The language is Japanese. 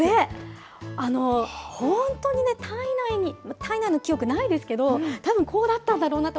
本当にね、胎内の記憶、ないですけど、たぶん、こうだったんだろうなと。